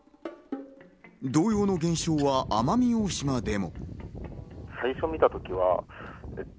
同様の現象は、奄美大島でも。